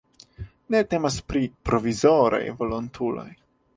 Ne temas pri "provizoraj" volontuloj.